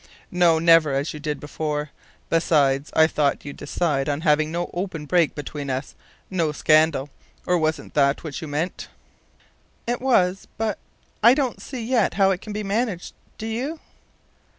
"No, never as you did before! Besides, I thought you'd decided on having no open break between us, no scandal. Or wasn't that what you meant?" "It was. But I don't see yet how it can be managed. Do you?"